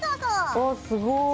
あすごい。